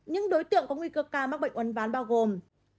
những đối tượng có nguy cơ ca mắc bệnh uốn ván bao gồm